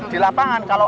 di lapangan kerja asing